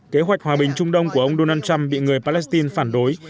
kế hoạch hòa bình trung đông của ông donald trump bị người palestine phản đối